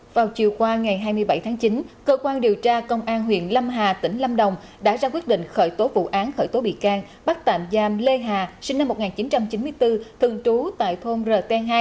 vào chiều qua ngày hai mươi bảy tháng chín cơ quan điều tra công an huyện lâm hà tỉnh lâm đồng đã ra quyết định khởi tố vụ án khởi tố bị can bắt tạm giam lê hà sinh năm một nghìn chín trăm chín mươi bốn thường trú tại thôn rt hai